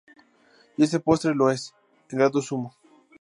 Y este postre lo es, en grado sumo.